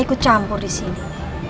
ikut campur di sini